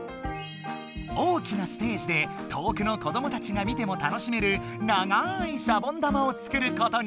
大きなステージで遠くの子どもたちが見ても楽しめる長いシャボン玉を作ることに。